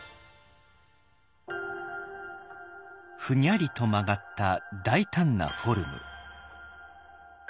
「ふにゃり」と曲がった大胆なフォルム。